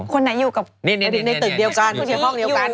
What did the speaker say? คนไหนอยู่ในตึกเดียวกัน